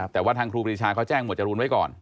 แต่ว่าทางครูปรีชาเขาแจ้งหมวดจรูนไว้ก่อน